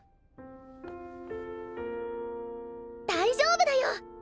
大丈夫だよ！